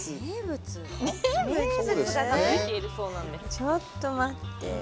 ちょっと待って。